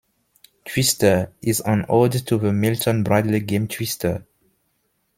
"Twister" is an ode to the Milton Bradley game Twister.